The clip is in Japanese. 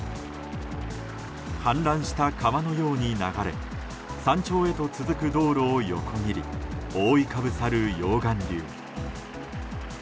氾濫した川のように流れ山頂へと続く道路を横切り覆いかぶさる溶岩流。